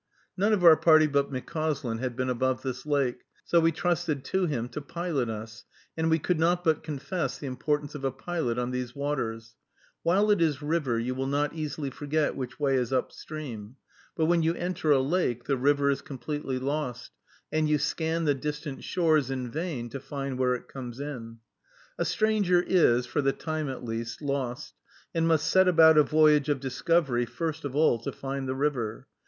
None of our party but McCauslin had been above this lake, so we trusted to him to pilot us, and we could not but confess the importance of a pilot on these waters. While it is river, you will not easily forget which way is up stream; but when you enter a lake, the river is completely lost, and you scan the distant shores in vain to find where it comes in. A stranger is, for the time at least, lost, and must set about a voyage of discovery first of all to find the river.